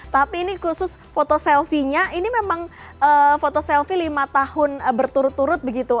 tapi ini khusus foto selfie nya ini memang foto selfie lima tahun berturut turut begitu